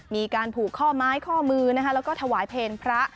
มีการผูกข้อไม้ข้อมือแล้วก็ถวายเพลงพระ